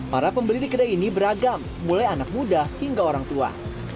para pembeli di kedai ini beragam mulai anak muda hingga orang tua